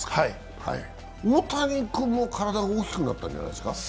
大谷君も体が大きくなったんじゃないですか。